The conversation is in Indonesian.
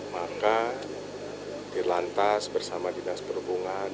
maka dilantas bersama dinas perhubungan